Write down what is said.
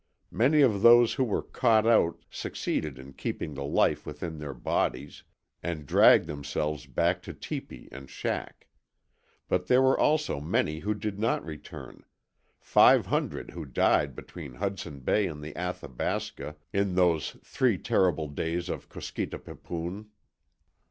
Many of those who were caught out succeeded in keeping the life within their bodies, and dragged themselves back to teepee and shack. But there were also many who did not return five hundred who died between Hudson Bay and the Athabasca in those three terrible days of the KUSKETA PIPPOON.